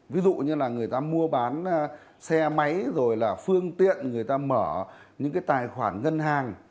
ví dụ như là người ta mua bán xe máy rồi là phương tiện người ta mở những cái tài khoản ngân hàng